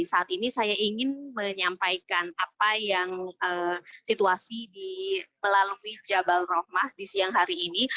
saat ini saya ingin menyampaikan apa yang situasi melalui jabal rahmah di siang hari ini